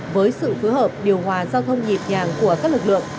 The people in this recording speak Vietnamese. với sự phối hợp điều hòa giao thông nhịp nhàng của các lực lượng